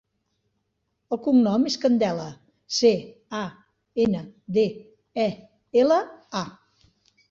El cognom és Candela: ce, a, ena, de, e, ela, a.